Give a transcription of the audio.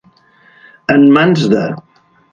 En mans de.